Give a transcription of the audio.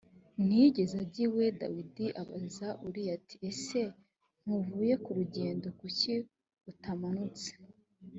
ntiyigeze ajya iwe dawidi abaza uriya ati ese ntuvuye ku rugendo kuki utamanutse